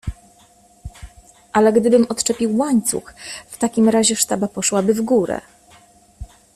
Ale gdybym odczepił łańcuch, w takim razie sztaba poszłaby w górę.